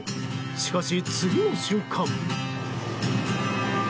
しかし、次の瞬間。